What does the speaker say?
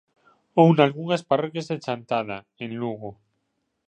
Ou nalgunhas parroquias de Chantada, en Lugo.